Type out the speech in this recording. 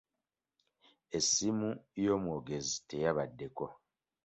Essimu y'omwogezi teyabaddeko